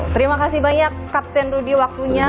terima kasih banyak kapten rudy waktunya